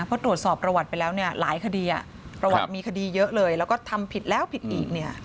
เพราะตรวจสอบประวัติไปแล้วเนี่ยหลายคดีประวัติมีคดีเยอะเลยแล้วก็ทำผิดแล้วผิดอีกเนี่ย